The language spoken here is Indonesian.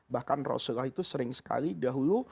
bahkan rasulullah itu sering sekali dahulu